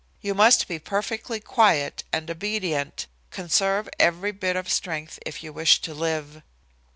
You must be perfectly quiet and obedient, conserve every bit of strength if you wish to live."